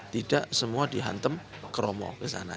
tidak semua dihantam kromo ke sana